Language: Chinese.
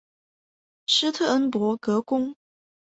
施特恩伯格宫。